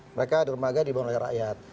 mereka diperlagakan oleh rakyat